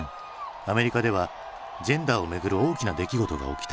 アメリカではジェンダーをめぐる大きな出来事が起きた。